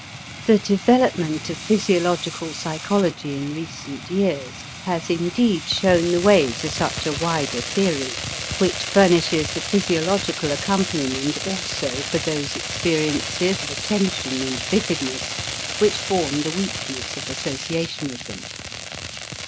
The development of physiological psychology in recent years has indeed shown the way to such a wider theory, which furnishes the physiological accompaniment also for those experiences of attention and vividness which form the weakness of associationism.